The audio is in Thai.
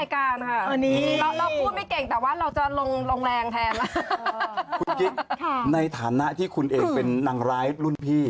คุณกิฟต์ในฐานะที่คุณเองเป็นนางร้ายรุ่นพี่